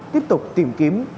tiếp tục tìm kiếm